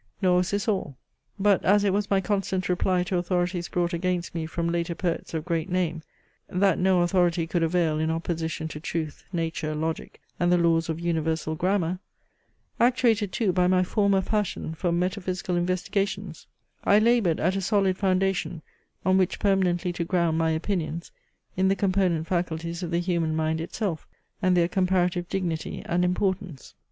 Nor was this all. But as it was my constant reply to authorities brought against me from later poets of great name, that no authority could avail in opposition to Truth, Nature, Logic, and the Laws of Universal Grammar; actuated too by my former passion for metaphysical investigations; I laboured at a solid foundation, on which permanently to ground my opinions, in the component faculties of the human mind itself, and their comparative dignity and importance.